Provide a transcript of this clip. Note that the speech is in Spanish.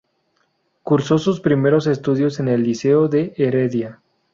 Cursó sus primeros estudios en el Liceo de Heredia.